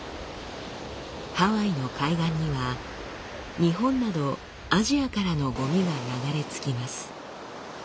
ハワイの海岸には日本などアジアからのゴミが流れ着きます。